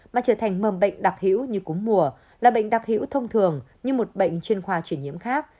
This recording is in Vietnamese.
mà trở thành mầm bệnh đặc hữu như cúng mùa là bệnh đặc hữu thông thường như một bệnh chuyên khoa chuyển nhiễm khác